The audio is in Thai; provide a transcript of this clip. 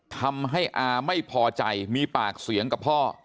ทำให้อาไม่พอใจมีปากเสียงกับพ่อ